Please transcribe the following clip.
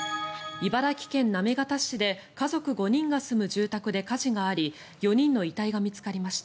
茨城県行方市で家族５人が住む住宅で火事があり４人の遺体が見つかりました。